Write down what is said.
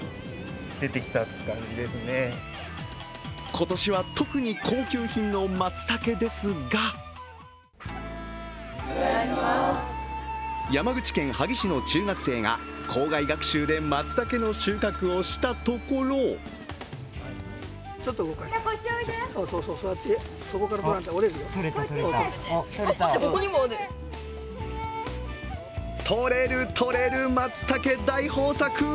今年は特に高級品のまつたけですが山口県萩市の中学生が校外学習でまつたけの収穫をしたところ採れる、採れる、まつたけ大豊作。